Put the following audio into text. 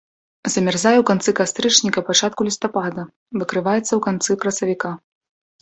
Замярзае ў канцы кастрычніка-пачатку лістапада, выкрываецца ў канцы красавіка.